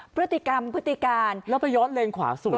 พฤติกรรมพฤติการแล้วไปย้อนเลนขวาสุด